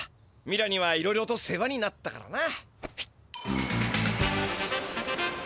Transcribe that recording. ミラにはいろいろと世話になったからな。